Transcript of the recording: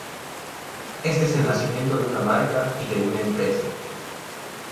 Este es el nacimiento de una marca y de una empresa.